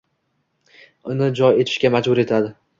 Uni jo etishga majbur etadi.